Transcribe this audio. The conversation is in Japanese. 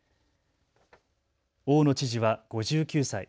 大野知事は５９歳。